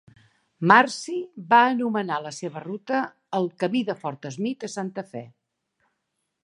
Marcy va anomenar la seva ruta el "camí de Forth Smith a Santa Fe".